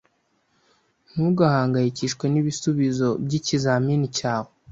Ntugahangayikishwe nibisubizo byikizamini cyawe.